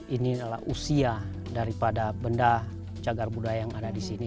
ini adalah usia daripada benda cagar budaya yang ada di sini